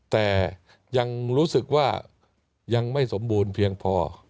แต่ยังรู้สึกว่ายังไม่สมบูรณ์เพียงพอ